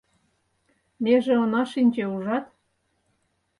Меже она шинче, ужат?